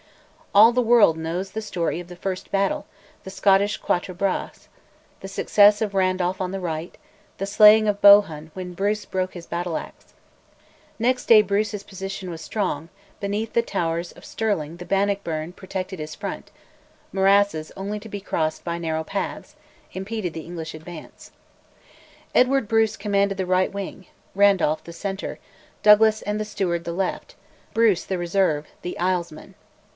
All the world knows the story of the first battle, the Scottish Quatre Bras; the success of Randolph on the right; the slaying of Bohun when Bruce broke his battle axe. Next day Bruce's position was strong; beneath the towers of Stirling the Bannockburn protected his front; morasses only to be crossed by narrow paths impeded the English advance. Edward Bruce commanded the right wing; Randolph the centre; Douglas and the Steward the left; Bruce the reserve, the Islesmen.